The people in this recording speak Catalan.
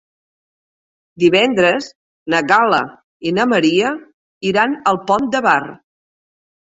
Divendres na Gal·la i na Maria iran al Pont de Bar.